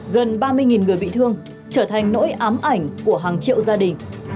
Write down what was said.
gần ba mươi người bị thương trở thành nỗi ám ảnh của hàng triệu gia đình